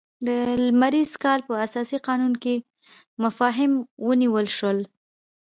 د لمریز کال په اساسي قانون کې مفاهیم ونیول شول.